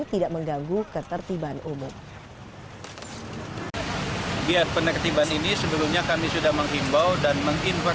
tidak mengganggu ketertiban umum